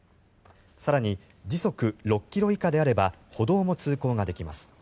更に、時速６ｋｍ以下であれば歩道も通行ができます。